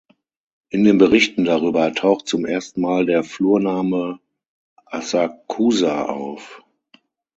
In den Berichten darüber taucht zum ersten Mal der Flurname "Asakusa" auf.